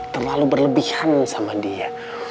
terlalu berlebihan sama dia